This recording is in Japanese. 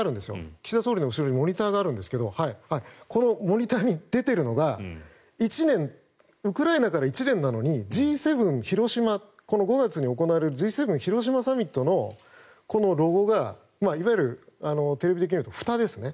岸田総理の後ろにモニターがあるんですがこのモニターに出ているのがウクライナから１年なのにこの５月に行われるＧ７広島サミットのこのロゴがいわゆるテレビ的に言うとふたですね。